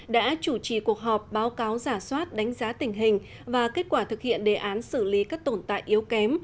đã chủ trì cuộc họp báo cáo giả soát đánh giá tình hình và kết quả thực hiện đề án xử lý các tồn tại yếu kém